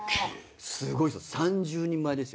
すごいっすよ３０人前ですよ。